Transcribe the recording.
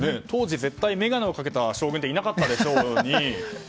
当時、眼鏡をかけた将軍はいなかったでしょうに。